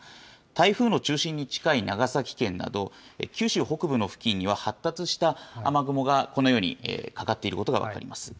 台風の中心に近い長崎県など、九州北部の付近には発達した雨雲が、このようにかかっていることが分かります。